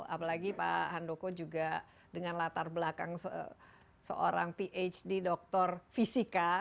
apalagi pak handoko juga dengan latar belakang seorang phd doktor fisika